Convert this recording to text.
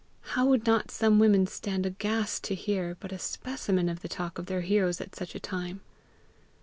How would not some women stand aghast to hear but a specimen of the talk of their heroes at such a time!